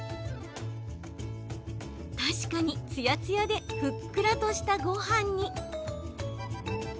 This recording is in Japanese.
確かにツヤツヤでふっくらとしたごはんに。